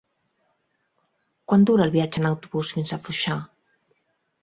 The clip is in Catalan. Quant dura el viatge en autobús fins a Foixà?